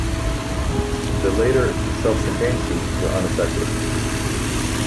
The later, self-contained suits were unaffected.